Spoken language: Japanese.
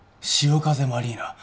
汐風マリーナ。